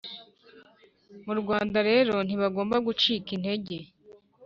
mu rwanda rero ntibagomba gucika intege.